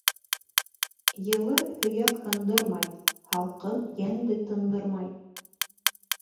Йылы һөйәк һындырмай, һалҡын йәнде тындырмай.